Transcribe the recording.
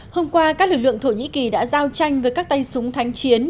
hôm qua các lực lượng thổ nhĩ kỳ đã giao tranh với các tay súng thánh chiến